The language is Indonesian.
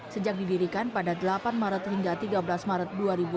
sejak didirikan pada delapan maret hingga tiga belas maret dua ribu dua puluh